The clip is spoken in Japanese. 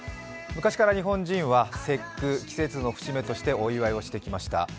昔から日本人は節句、季節の節目としてお祝いをしてきました。